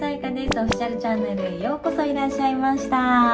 オフィシャルチャンネルへ、ようこそいらっしゃいました。